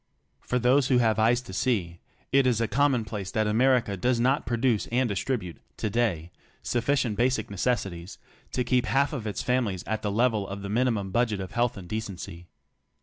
For those who have eyes to see, it is a commonplace that America does not produce and distribute today sufficient basic necessities to keep half of its families at the level of the minimum budget of health and decency.